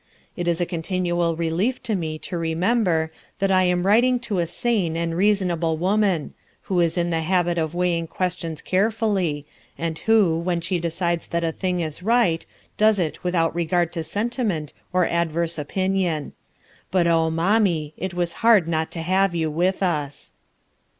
It is a continual relief to me to remember that I am writing to a sane and reasonable woman, who is ia the habit of weigh ing questions carefully, and who, when fhe decides that a thing h right, does it without I1G RUTH ERSKINE'S SON regard to sentiment or adverse opinion. But oh, niommie, it was hard not to have you with us."